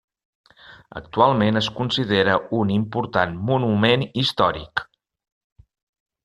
Actualment es considera un important monument històric.